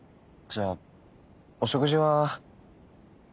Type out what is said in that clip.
じゃあお食事は。